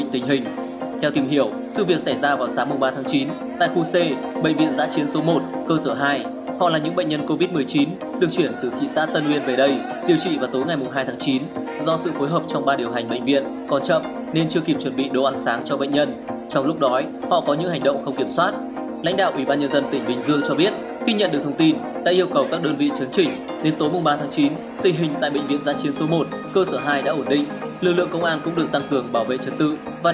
tình hình tại bệnh viện giã chiến số một cơ sở hai đã ổn định lực lượng công an cũng được tăng cường bảo vệ trật tự và đảm bảo đầy đủ xuất ăn cho f